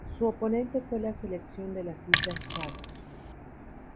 Su oponente fue la selección de las Islas Chagos.